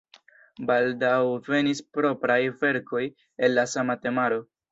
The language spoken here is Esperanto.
Baldaŭ venis propraj verkoj el la sama temaro.